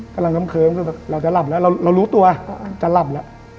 กำลังเคิ้มแบบเราจะหลับแล้วเรารู้ตัวจะหลับแล้ว